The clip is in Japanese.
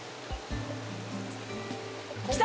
きた！